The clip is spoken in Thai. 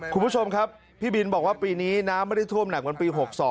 คุณผู้ชมครับพี่บินบอกว่าปีนี้น้ำไม่ได้ท่วมหนักเหมือนปี๖๒